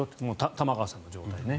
玉川さんの状態ね。